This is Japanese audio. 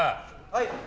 はい。